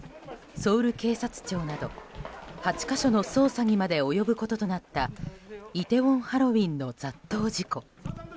ソウル警察庁など８か所の捜査にまで及ぶこととなったイテウォンハロウィーンの雑踏事故。